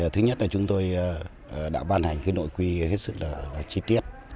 thứ nhất là chúng tôi đã ban hành nội quy hết sự chi tiết